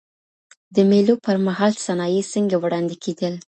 د ميلو پر مهال صنايع څنګه وړاندې کيدل؟